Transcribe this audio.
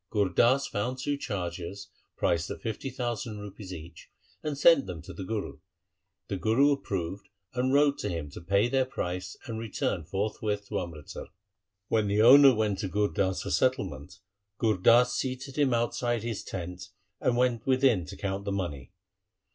Gur Das found two chargers priced at fifty thousand rupees each, and sent them to the Guru. The Guru approved and wrote to him to pay their price and return forthwith to Amritsar. When the owner went to Gur Das for settlement, Gur Das seated him outside his tent and went within to count the money.